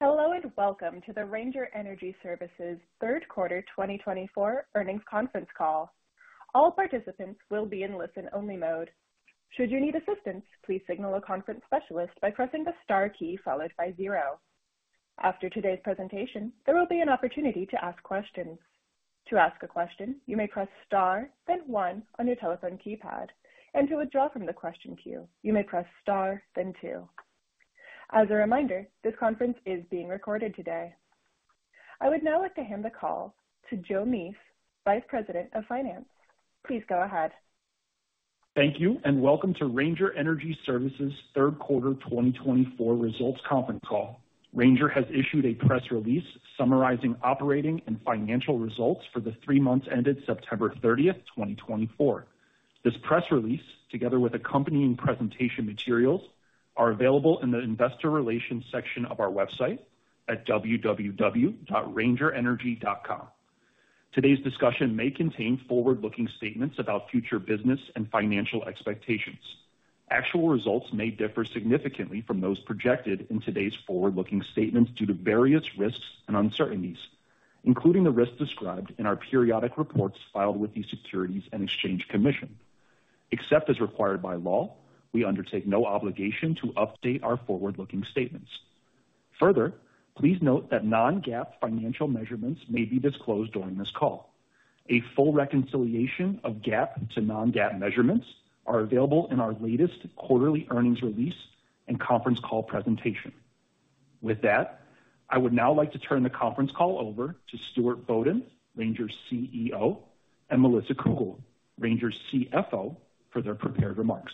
Hello, and welcome to the Ranger Energy Services third quarter twenty twenty-four earnings conference call. All participants will be in listen-only mode. Should you need assistance, please signal a conference specialist by pressing the star key followed by zero. After today's presentation, there will be an opportunity to ask questions. To ask a question, you may press Star then one on your telephone keypad, and to withdraw from the question queue, you may press Star then two. As a reminder, this conference is being recorded today. I would now like to hand the call to Justin Meese, Vice President of Finance. Please go ahead. Thank you, and welcome to Ranger Energy Services third quarter twenty twenty-four results conference call. Ranger has issued a press release summarizing operating and financial results for the three months ended September thirtieth, twenty twenty-four. This press release, together with accompanying presentation materials, are available in the Investor Relations section of our website at www.rangerenergy.com. Today's discussion may contain forward-looking statements about future business and financial expectations. Actual results may differ significantly from those projected in today's forward-looking statements due to various risks and uncertainties, including the risks described in our periodic reports filed with the Securities and Exchange Commission. Except as required by law, we undertake no obligation to update our forward-looking statements. Further, please note that non-GAAP financial measurements may be disclosed during this call. A full reconciliation of GAAP to non-GAAP measurements are available in our latest quarterly earnings release and conference call presentation. With that, I would now like to turn the conference call over to Stuart Bodden, Ranger's CEO, and Melissa Cougle, Ranger's CFO, for their prepared remarks.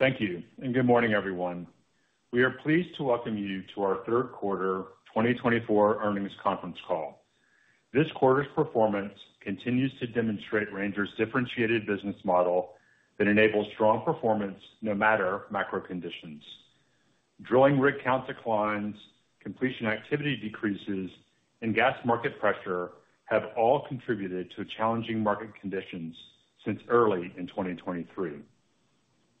Thank you, and good morning, everyone. We are pleased to welcome you to our third quarter twenty twenty-four earnings conference call. This quarter's performance continues to demonstrate Ranger's differentiated business model that enables strong performance no matter macro conditions. Drilling rig count declines, completion activity decreases, and gas market pressure have all contributed to challenging market conditions since early in twenty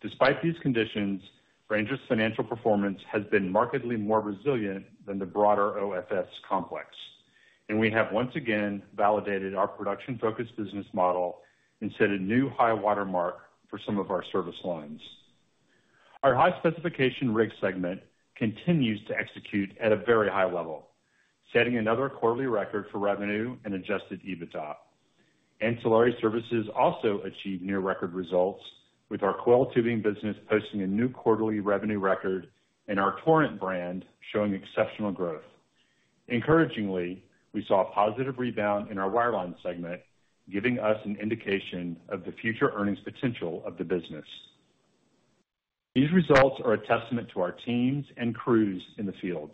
twenty-three. Despite these conditions, Ranger's financial performance has been markedly more resilient than the broader OFS complex, and we have once again validated our production-focused business model and set a new high watermark for some of our service lines. Our high specification rig segment continues to execute at a very high level, setting another quarterly record for revenue and Adjusted EBITDA. Ancillary services also achieved near record results, with our coiled tubing business posting a new quarterly revenue record and our Torrent brand showing exceptional growth. Encouragingly, we saw a positive rebound in our wireline segment, giving us an indication of the future earnings potential of the business. These results are a testament to our teams and crews in the field.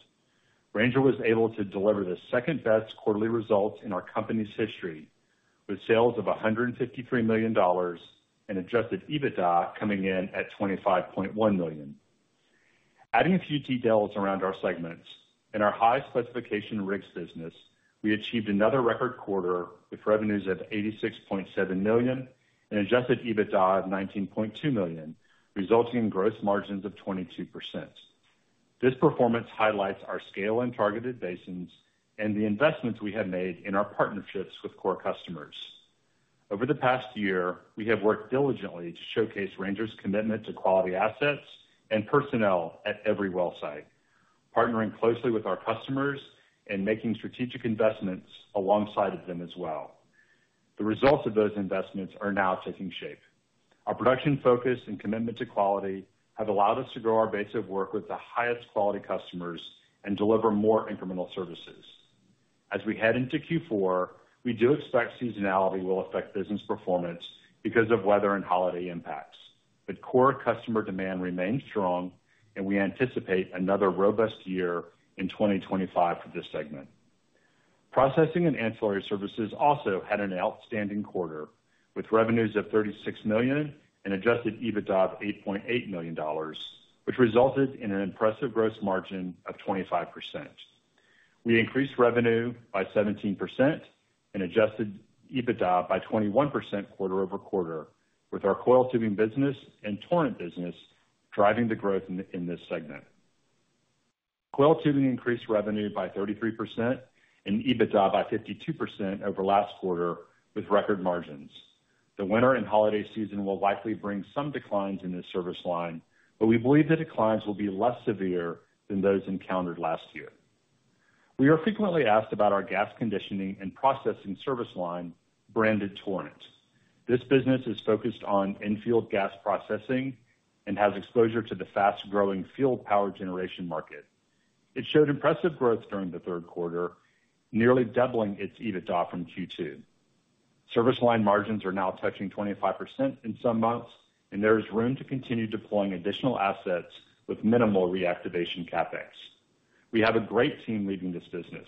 Ranger was able to deliver the second-best quarterly results in our company's history, with sales of $153 million and Adjusted EBITDA coming in at $25.1 million. Adding a few details around our segments. In our High Specification Rigs business, we achieved another record quarter with revenues of $86.7 million and Adjusted EBITDA of $19.2 million, resulting in gross margins of 22%. This performance highlights our scale in targeted basins and the investments we have made in our partnerships with core customers. Over the past year, we have worked diligently to showcase Ranger's commitment to quality assets and personnel at every well site, partnering closely with our customers and making strategic investments alongside of them as well. The results of those investments are now taking shape. Our production focus and commitment to quality have allowed us to grow our base of work with the highest quality customers and deliver more incremental services. As we head into Q4, we do expect seasonality will affect business performance because of weather and holiday impacts, but core customer demand remains strong, and we anticipate another robust year in twenty twenty-five for this segment. Processing and ancillary services also had an outstanding quarter, with revenues of $36 million and adjusted EBITDA of $8.8 million, which resulted in an impressive gross margin of 25%. We increased revenue by 17% and adjusted EBITDA by 21% quarter over quarter, with our coiled tubing business and Torrent business driving the growth in this segment. Coiled tubing increased revenue by 33% and EBITDA by 52% over last quarter, with record margins. The winter and holiday season will likely bring some declines in this service line, but we believe the declines will be less severe than those encountered last year. We are frequently asked about our gas conditioning and processing service line, branded Torrent. This business is focused on in-field gas processing and has exposure to the fast-growing field power generation market. It showed impressive growth during the third quarter, nearly doubling its EBITDA from Q2. Service line margins are now touching 25% in some months, and there is room to continue deploying additional assets with minimal reactivation CapEx. We have a great team leading this business,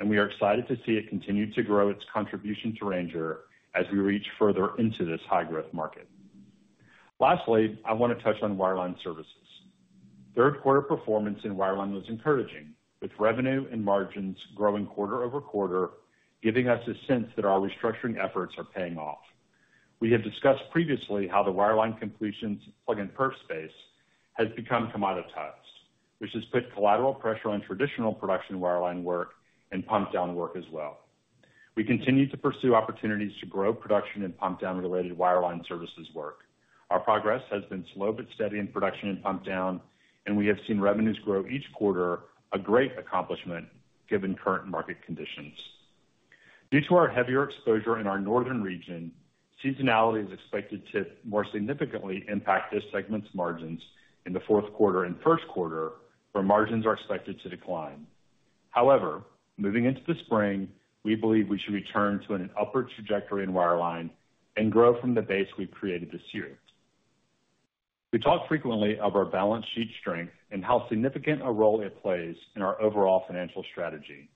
and we are excited to see it continue to grow its contribution to Ranger as we reach further into this high-growth market. Lastly, I want to touch on wireline services. Third quarter performance in wireline was encouraging, with revenue and margins growing quarter over quarter, giving us a sense that our restructuring efforts are paying off. We have discussed previously how the wireline completions plug and perf space has become commoditized, which has put collateral pressure on traditional production wireline work and pump down work as well. We continue to pursue opportunities to grow production and pump down-related wireline services work. Our progress has been slow but steady in production and pump down, and we have seen revenues grow each quarter, a great accomplishment given current market conditions. Due to our heavier exposure in our northern region, seasonality is expected to more significantly impact this segment's margins in the fourth quarter and first quarter, where margins are expected to decline. However, moving into the spring, we believe we should return to an upward trajectory in wireline and grow from the base we've created this year. We talk frequently of our balance sheet strength and how significant a role it plays in our overall financial strategy.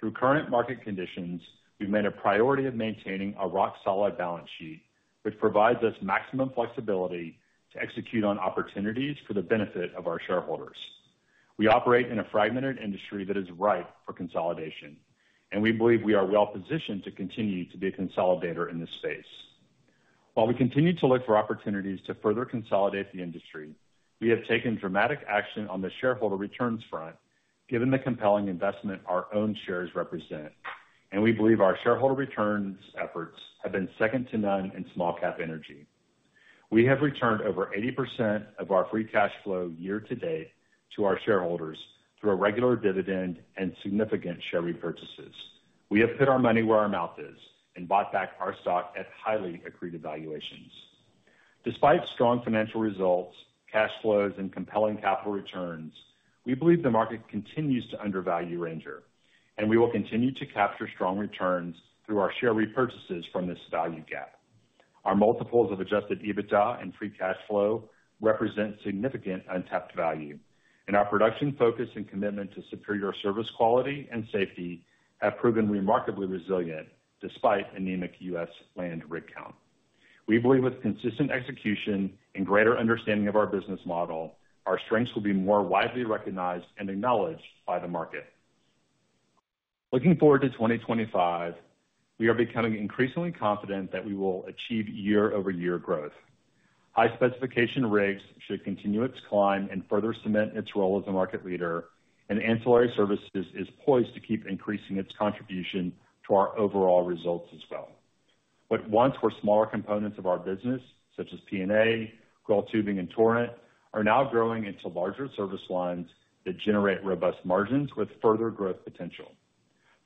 Through current market conditions, we've made a priority of maintaining a rock-solid balance sheet, which provides us maximum flexibility to execute on opportunities for the benefit of our shareholders. We operate in a fragmented industry that is ripe for consolidation, and we believe we are well positioned to continue to be a consolidator in this space. While we continue to look for opportunities to further consolidate the industry, we have taken dramatic action on the shareholder returns front, given the compelling investment our own shares represent, and we believe our shareholder returns efforts have been second to none in small cap energy. We have returned over 80% of our free cash flow year to date to our shareholders through a regular dividend and significant share repurchases. We have put our money where our mouth is and bought back our stock at highly accretive valuations. Despite strong financial results, cash flows, and compelling capital returns, we believe the market continues to undervalue Ranger, and we will continue to capture strong returns through our share repurchases from this value gap. Our multiples of Adjusted EBITDA and Free cash flow represent significant untapped value, and our production focus and commitment to superior service, quality and safety have proven remarkably resilient despite anemic U.S. land rig count. We believe with consistent execution and greater understanding of our business model, our strengths will be more widely recognized and acknowledged by the market. Looking forward to twenty twenty-five, we are becoming increasingly confident that we will achieve year-over-year growth. High specification rigs should continue its climb and further cement its role as a market leader, and ancillary services is poised to keep increasing its contribution to our overall results as well. What once were smaller components of our business, such as P&A, coiled tubing, and Torrent, are now growing into larger service lines that generate robust margins with further growth potential.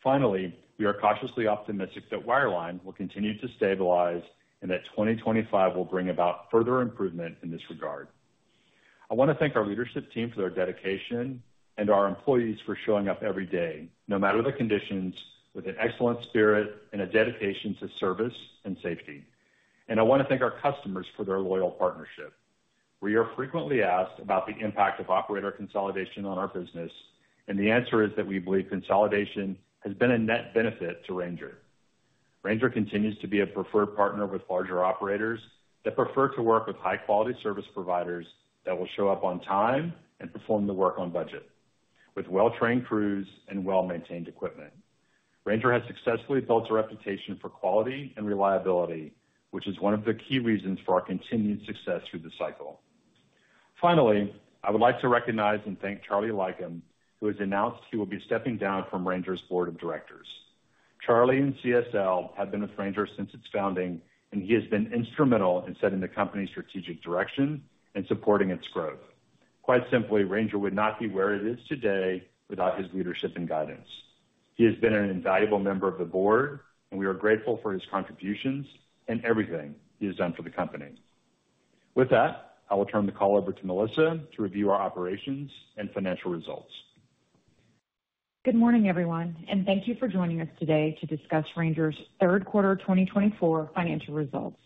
Finally, we are cautiously optimistic that wireline will continue to stabilize and that twenty twenty-five will bring about further improvement in this regard. I want to thank our leadership team for their dedication and our employees for showing up every day, no matter the conditions, with an excellent spirit and a dedication to service and safety. And I want to thank our customers for their loyal partnership. We are frequently asked about the impact of operator consolidation on our business, and the answer is that we believe consolidation has been a net benefit to Ranger. Ranger continues to be a preferred partner with larger operators that prefer to work with high-quality service providers that will show up on time and perform the work on budget, with well-trained crews and well-maintained equipment. Ranger has successfully built a reputation for quality and reliability, which is one of the key reasons for our continued success through the cycle. Finally, I would like to recognize and thank Charlie Leykum, who has announced he will be stepping down from Ranger's board of directors. Charlie and CSL have been with Ranger since its founding, and he has been instrumental in setting the company's strategic direction and supporting its growth. Quite simply, Ranger would not be where it is today without his leadership and guidance. He has been an invaluable member of the board, and we are grateful for his contributions and everything he has done for the company. With that, I will turn the call over to Melissa to review our operations and financial results. Good morning, everyone, and thank you for joining us today to discuss Ranger's third quarter of twenty twenty-four financial results.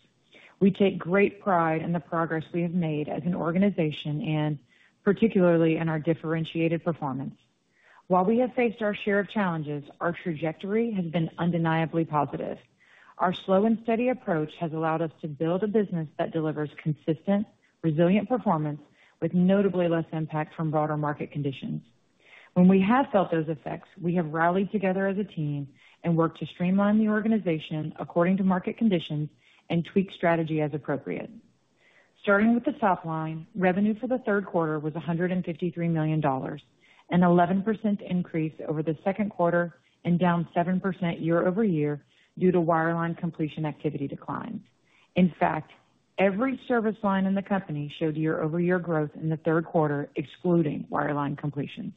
We take great pride in the progress we have made as an organization and particularly in our differentiated performance. While we have faced our share of challenges, our trajectory has been undeniably positive. Our slow and steady approach has allowed us to build a business that delivers consistent, resilient performance with notably less impact from broader market conditions. When we have felt those effects, we have rallied together as a team and worked to streamline the organization according to market conditions and tweak strategy as appropriate. Starting with the top line, revenue for the third quarter was $153 million, an 11% increase over the second quarter and down 7% year over year due to wireline completion activity declines. In fact, every service line in the company showed year-over-year growth in the third quarter, excluding wireline completions.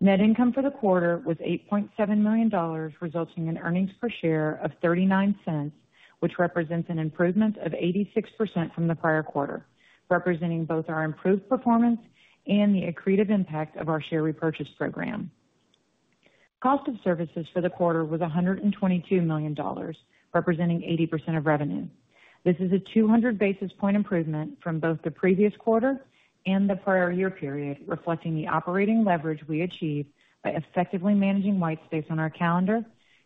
Net income for the quarter was $8.7 million, resulting in earnings per share of $0.39, which represents an improvement of 86% from the prior quarter, representing both our improved performance and the accretive impact of our share repurchase program. Cost of services for the quarter was $122 million, representing 80% of revenue. This is a 200 basis point improvement from both the previous quarter and the prior year period, reflecting the operating leverage we achieved by effectively managing white space on our calendar,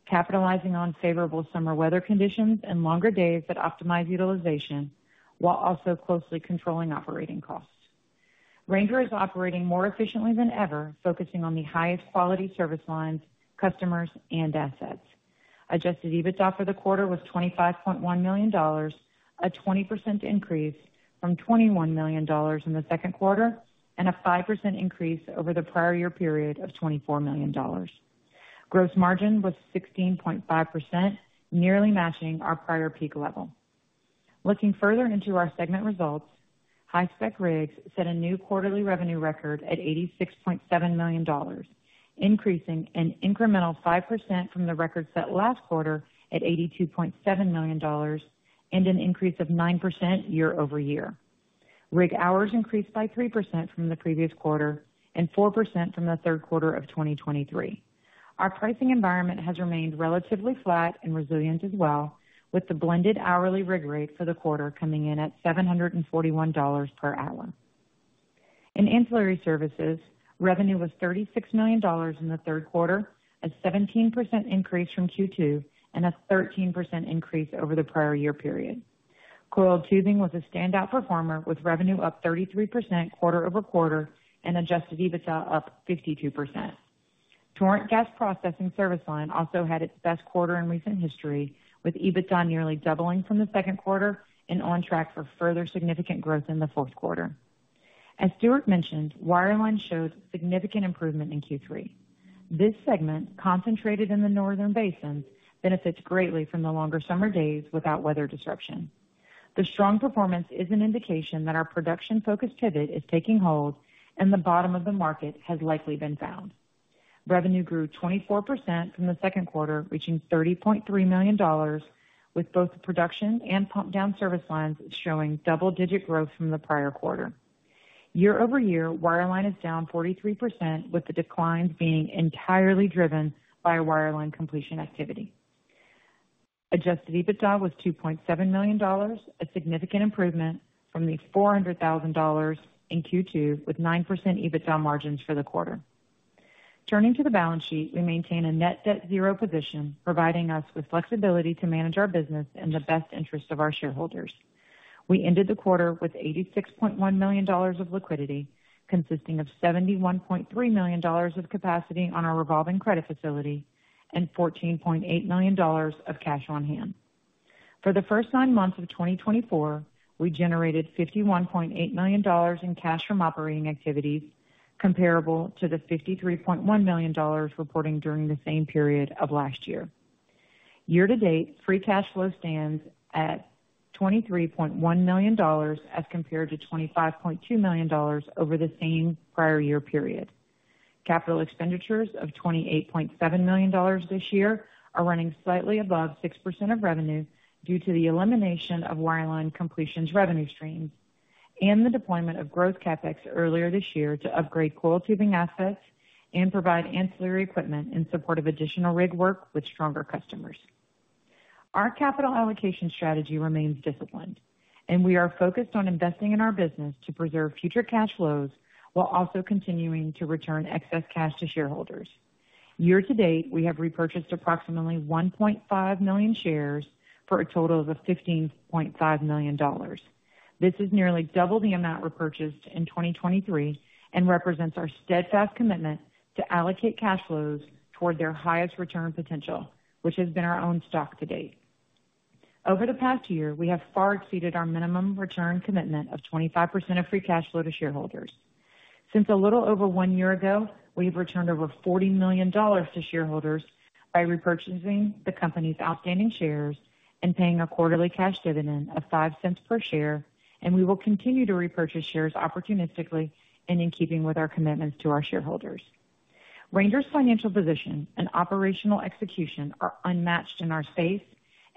capitalizing on favorable summer weather conditions and longer days that optimize utilization, while also closely controlling operating costs. Ranger is operating more efficiently than ever, focusing on the highest quality service lines, customers, and assets. Adjusted EBITDA for the quarter was $25.1 million, a 20% increase from $21 million in the second quarter, and a 5% increase over the prior year period of $24 million. Gross margin was 16.5%, nearly matching our prior peak level. Looking further into our segment results, high-spec rigs set a new quarterly revenue record at $86.7 million, increasing an incremental 5% from the record set last quarter at $82.7 million, and an increase of 9% year over year. Rig hours increased by 3% from the previous quarter and 4% from the third quarter of 2023. Our pricing environment has remained relatively flat and resilient as well, with the blended hourly rig rate for the quarter coming in at $741 per hour. In Ancillary Services, revenue was $36 million in the third quarter, a 17% increase from Q2 and a 13% increase over the prior year period. Coiled tubing was a standout performer, with revenue up 33% quarter over quarter and Adjusted EBITDA up 52%. Torrent gas processing service line also had its best quarter in recent history, with EBITDA nearly doubling from the second quarter and on track for further significant growth in the fourth quarter. As Stuart mentioned, wireline showed significant improvement in Q3. This segment, concentrated in the northern basin, benefits greatly from the longer summer days without weather disruption. The strong performance is an indication that our production-focused pivot is taking hold and the bottom of the market has likely been found. Revenue grew 24% from the second quarter, reaching $30.3 million, with both the production and pump down service lines showing double-digit growth from the prior quarter. Year over year, wireline is down 43%, with the decline being entirely driven by wireline completion activity. Adjusted EBITDA was $2.7 million, a significant improvement from the $400,000 in Q2, with 9% EBITDA margins for the quarter. Turning to the balance sheet, we maintain a net debt zero position, providing us with flexibility to manage our business in the best interest of our shareholders. We ended the quarter with $86.1 million of liquidity, consisting of $71.3 million of capacity on our revolving credit facility and $14.8 million of cash on hand. For the first nine months of 2024, we generated $51.8 million in cash from operating activities, comparable to the $53.1 million reporting during the same period of last year. Year to date, free cash flow stands at $23.1 million as compared to $25.2 million over the same prior year period. Capital expenditures of $28.7 million this year are running slightly above 6% of revenue due to the elimination of wireline completions revenue streams and the deployment of growth CapEx earlier this year to upgrade coiled tubing assets and provide ancillary equipment in support of additional rig work with stronger customers. Our capital allocation strategy remains disciplined, and we are focused on investing in our business to preserve future cash flows while also continuing to return excess cash to shareholders. Year to date, we have repurchased approximately 1.5 million shares for a total of $15.5 million. This is nearly double the amount repurchased in 2023 and represents our steadfast commitment to allocate cash flows toward their highest return potential, which has been our own stock to date. Over the past year, we have far exceeded our minimum return commitment of 25% of free cash flow to shareholders. Since a little over one year ago, we've returned over $40 million to shareholders by repurchasing the company's outstanding shares and paying a quarterly cash dividend of $0.05 per share, and we will continue to repurchase shares opportunistically and in keeping with our commitments to our shareholders. Ranger's financial position and operational execution are unmatched in our space,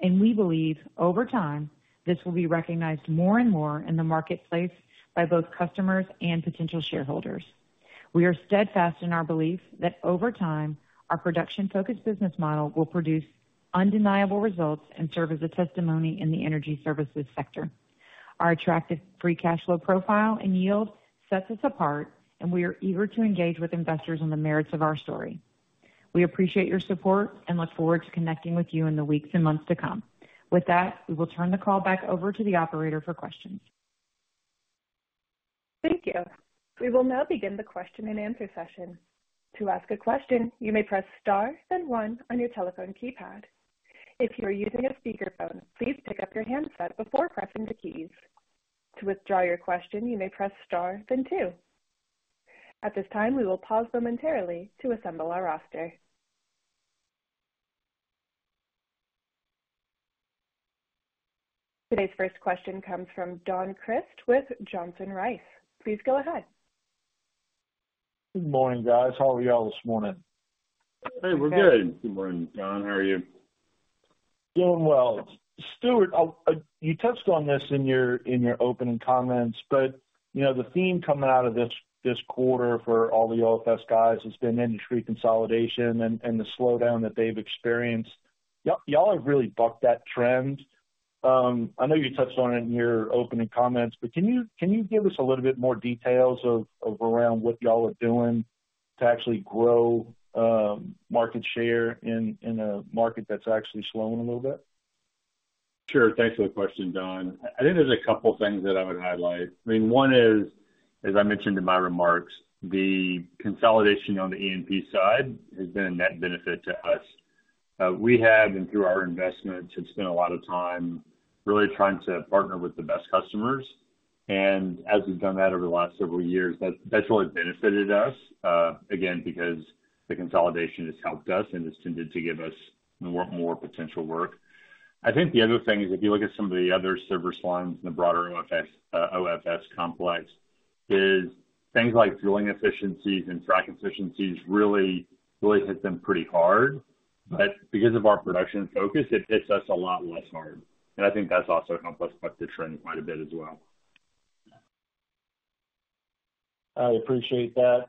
and we believe over time, this will be recognized more and more in the marketplace by both customers and potential shareholders. We are steadfast in our belief that over time, our production-focused business model will produce undeniable results and serve as a testimony in the energy services sector. Our attractive free cash flow profile and yield sets us apart, and we are eager to engage with investors on the merits of our story. We appreciate your support and look forward to connecting with you in the weeks and months to come. With that, we will turn the call back over to the operator for questions. Thank you. We will now begin the question and answer session. To ask a question, you may press star then one on your telephone keypad. If you are using a speakerphone, please pick up your handset before pressing the keys. To withdraw your question, you may press star then two. At this time, we will pause momentarily to assemble our roster. Today's first question comes from Don Crist with Johnson Rice. Please go ahead. Good morning, guys. How are you all this morning? Hey, we're good. Good morning, Don. How are you? Doing well. Stuart, you touched on this in your opening comments, but, you know, the theme coming out of this quarter for all the OFS guys has been industry consolidation and the slowdown that they've experienced. Y'all have really bucked that trend. I know you touched on it in your opening comments, but can you give us a little bit more details around what y'all are doing to actually grow market share in a market that's actually slowing a little bit? Sure, thanks for the question, Don. I think there's a couple things that I would highlight. I mean, one is, as I mentioned in my remarks, the consolidation on the E&P side has been a net benefit to us. We have, and through our investments, have spent a lot of time really trying to partner with the best customers. And as we've done that over the last several years, that's really benefited us, again, because the consolidation has helped us, and it's tended to give us more potential work. I think the other thing is, if you look at some of the other service lines in the broader OFS complex, is things like drilling efficiencies and frac efficiencies really hit them pretty hard but because of our production focus, it hits us a lot less hard, and I think that's also helped us buck the trend quite a bit as well. I appreciate that.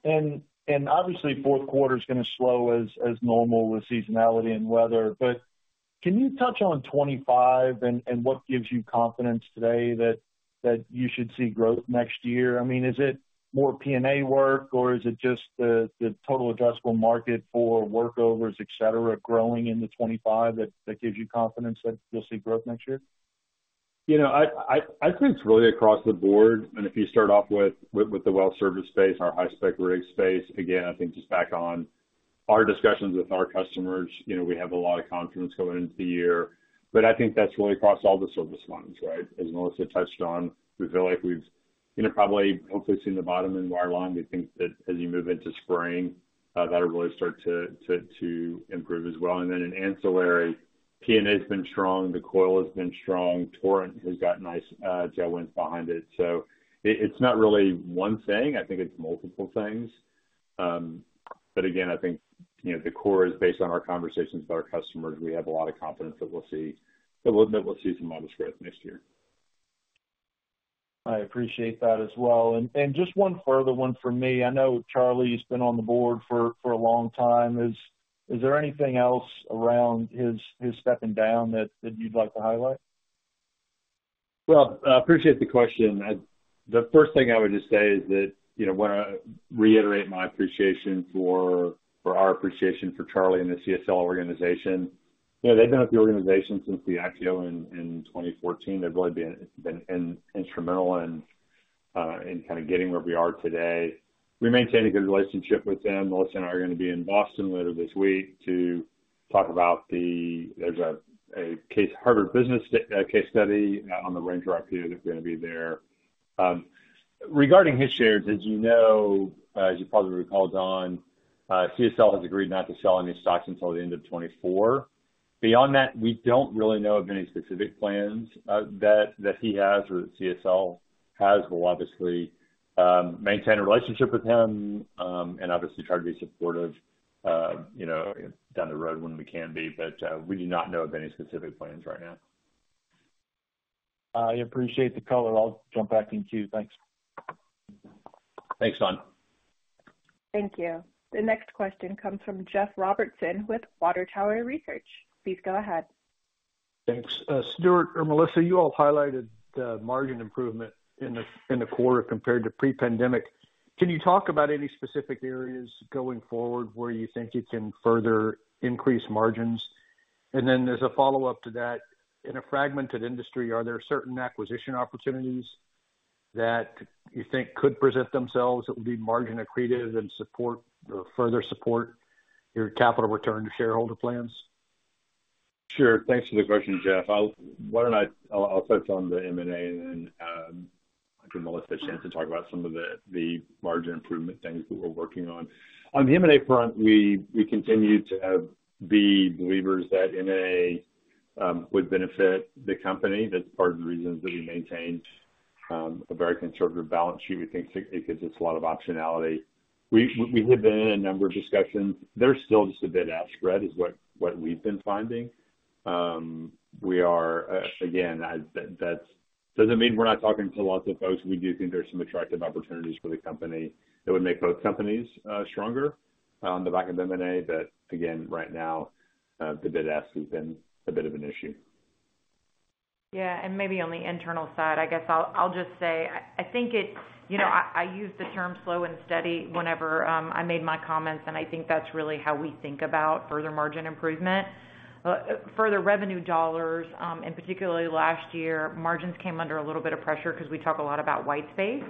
And obviously, fourth quarter's gonna slow as normal with seasonality and weather, but can you touch on 2025 and what gives you confidence today that you should see growth next year? I mean, is it more P&A work, or is it just the total addressable market for workovers, et cetera, growing into 2025, that gives you confidence that you'll see growth next year? You know, I think it's really across the board, and if you start off with the well service space and our high-spec rig space, again, I think just back on our discussions with our customers, you know, we have a lot of confidence going into the year. But I think that's really across all the service lines, right? As Melissa touched on, we feel like we've, you know, probably hopefully seen the bottom in wireline. We think that as you move into spring, that'll really start to improve as well. And then in ancillary, P&A's been strong, the coil has been strong, Torrent has got nice tailwinds behind it. So it's not really one thing, I think it's multiple things. But again, I think, you know, the core is based on our conversations with our customers. We have a lot of confidence that we'll see some positive growth next year. I appreciate that as well. And just one further one for me. I know Charlie's been on the board for a long time. Is there anything else around his stepping down that you'd like to highlight? I appreciate the question. The first thing I would just say is that, you know, I wanna reiterate my appreciation for or our appreciation for Charlie and the CSL organization. You know, they've been with the organization since we acquired in twenty fourteen. They've really been instrumental in kind of getting where we are today. We maintain a good relationship with them. Melissa and I are gonna be in Boston later this week to talk about the. There's a case, Harvard business case study on the Ranger Roll-upP that's gonna be there. Regarding his shares, as you know, as you probably recall, Don, CSL has agreed not to sell any stocks until the end of twenty-four. Beyond that, we don't really know of any specific plans that he has or that CSL has. We'll obviously maintain a relationship with him and obviously try to be supportive, you know, down the road when we can be, but we do not know of any specific plans right now. I appreciate the color. I'll jump back in queue. Thanks. Thanks, Don. Thank you. The next question comes from Jeff Robertson with Water Tower Research. Please go ahead. Thanks. Stuart or Melissa, you all highlighted the margin improvement in the quarter compared to pre-pandemic. Can you talk about any specific areas going forward where you think you can further increase margins? And then there's a follow-up to that: In a fragmented industry, are there certain acquisition opportunities that you think could present themselves that would be margin accretive and support, or further support, your capital return to shareholder plans? Sure. Thanks for the question, Jeff. I'll touch on the M&A, and then give Melissa a chance to talk about some of the margin improvement things that we're working on. On the M&A front, we continue to be believers that M&A would benefit the company. That's part of the reason that we maintain a very conservative balance sheet. We think it gives us a lot of optionality. We have been in a number of discussions. They're still just a bit ask spread, is what we've been finding. We are again. That doesn't mean we're not talking to lots of folks. We do think there's some attractive opportunities for the company that would make both companies stronger on the back of M&A. But again, right now, the bid asks have been a bit of an issue. Yeah, and maybe on the internal side, I guess I'll just say, I think it. You know, I use the term slow and steady whenever I made my comments, and I think that's really how we think about further margin improvement. Further revenue dollars, and particularly last year, margins came under a little bit of pressure because we talk a lot about white space.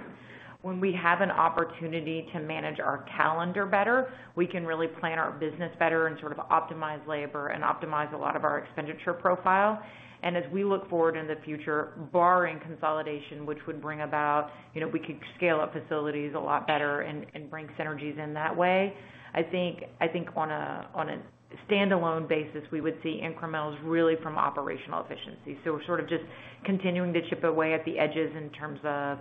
When we have an opportunity to manage our calendar better, we can really plan our business better and sort of optimize labor and optimize a lot of our expenditure profile. And as we look forward in the future, barring consolidation, which would bring about, you know, we could scale up facilities a lot better and bring synergies in that way. I think on a standalone basis, we would see incrementals really from operational efficiency. So sort of just continuing to chip away at the edges in terms of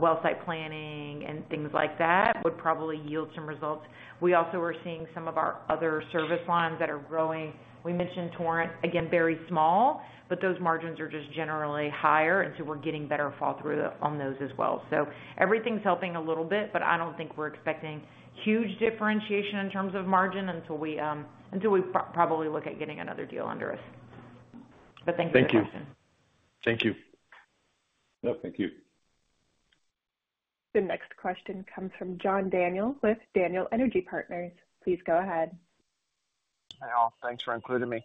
well site planning and things like that, would probably yield some results. We also are seeing some of our other service lines that are growing. We mentioned Torrent, again, very small, but those margins are just generally higher, and so we're getting better fall-through on those as well. So everything's helping a little bit, but I don't think we're expecting huge differentiation in terms of margin until we probably look at getting another deal under us. But thank you for the question. Thank you. Thank you. No, thank you. The next question comes from John Daniel with Daniel Energy Partners. Please go ahead. Hi, all. Thanks for including me.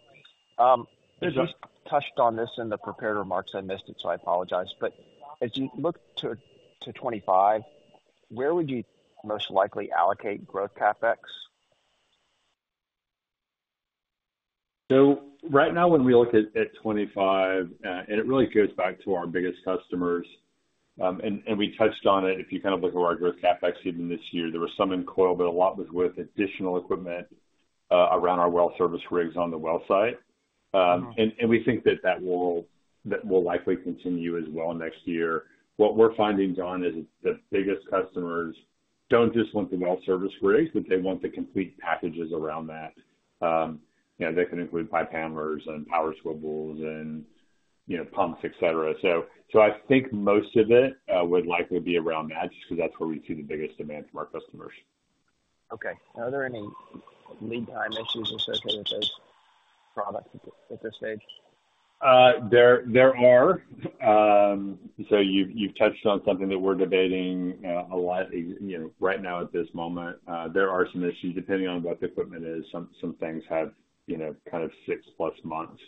If you touched on this in the prepared remarks, I missed it, so I apologize. But as you look to 2025, where would you most likely allocate growth CapEx? So right now, when we look at twenty-five, and it really goes back to our biggest customers, and we touched on it. If you kind of look at our growth CapEx even this year, there was some in coil, but a lot was with additional equipment around our well service rigs on the well site. And we think that that will. That will likely continue as well next year. What we're finding, John, is the biggest customers don't just want the well service rigs, but they want the complete packages around that. You know, that can include pipe handlers and power swivels and, you know, pumps, et cetera. So I think most of it would likely be around that, just because that's where we see the biggest demand from our customers. Okay. Are there any lead time issues associated with those products at this stage? So you've touched on something that we're debating a lot, you know, right now, at this moment. There are some issues depending on what the equipment is. Some things have, you know, kind of six-plus months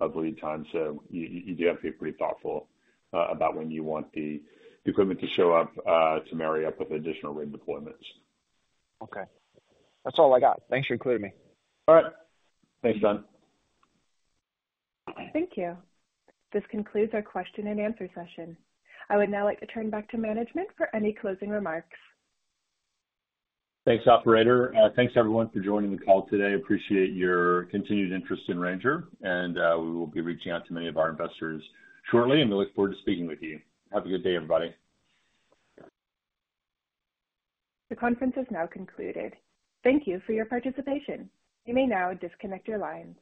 of lead time. So you do have to be pretty thoughtful about when you want the equipment to show up to marry up with additional rig deployments. Okay. That's all I got. Thanks for including me. All right. Thanks, John. Thank you. This concludes our question and answer session. I would now like to turn back to management for any closing remarks. Thanks, operator. Thanks, everyone, for joining the call today. Appreciate your continued interest in Ranger, and we will be reaching out to many of our investors shortly, and we look forward to speaking with you. Have a good day, everybody. The conference is now concluded. Thank you for your participation. You may now disconnect your lines.